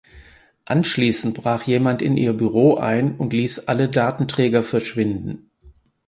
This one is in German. Anschließend brach jemand in ihr Büro ein und ließ alle Datenträger verschwinden.